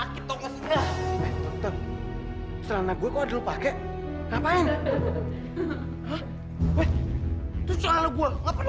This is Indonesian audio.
kok ada pakai ngapain